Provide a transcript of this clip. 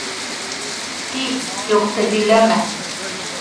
Кит, юҡты һөйләмә!